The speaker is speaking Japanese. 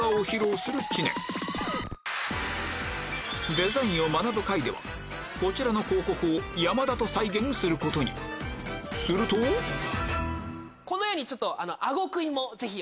デザインを学ぶ回ではこちらの広告を山田と再現することにするとえ！